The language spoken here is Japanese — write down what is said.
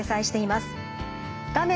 画面